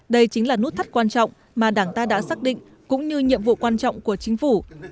đây chính là nút thắt quan trọng mà đảng ta đã xác định cũng như nhiệm vụ quan trọng của chính phủ